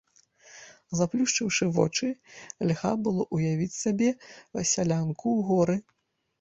Заплюшчыўшы вочы, льга было ўявіць сабе сялянку ў горы.